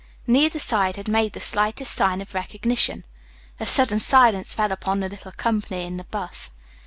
Neither side had made the slightest sign of recognition. A sudden silence fell upon the little company in the bus.